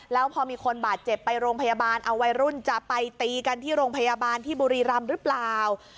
แล้วพอมีคนบาดเจ็บไปโรงพยาบาลเอาวัยรุ่นจะไปตีกันที่โรงพยาบาลที่บุรีรำหรือเปล่า